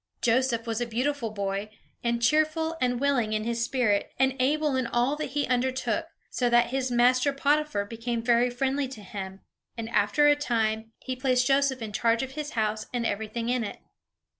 Joseph was a beautiful boy, and cheerful and willing in his spirit, and able in all that he undertook; so that his master Potiphar became very friendly to him, and after a time, he placed Joseph in charge of his house, and everything in it.